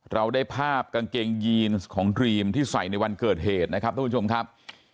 เราได้ภาพกางเกงยีนของดรีมที่ใส่ในวันเกิดเหตุนะครับทุกผู้ชมครับ